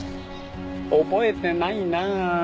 覚えてないなあ。